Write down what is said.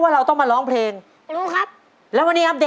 เพลงอยากบอกรักเธอครับ